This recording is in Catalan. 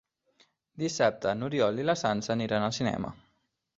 Dissabte n'Oriol i na Sança aniran al cinema.